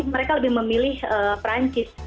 mereka lebih memilih perancis